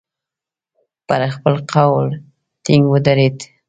پر خپل قول ټینګ ودرېد.